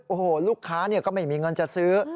โอ้โหลูกค้าก็ไม่มีเงินจะซื้อ